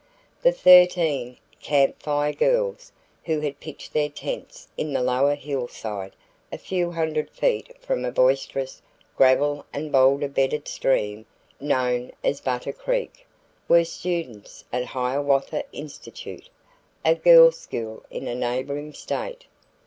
The thirteen Camp Fire Girls, who had pitched their tents on the lower hillside, a few hundred feet from a boisterous, gravel and boulder bedded stream known as Butter creek, were students at Hiawatha Institute, a girls' school in a neighboring state.